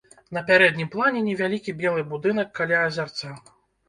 На пярэднім плане невялікі белы будынак каля азярца.